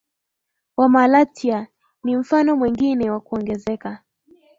wa Malatya ni mfano mwengine wa kuongezeka